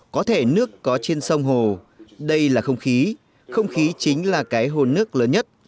có thể nước có trên sông hồ đây là không khí không khí chính là cái hồ nước lớn nhất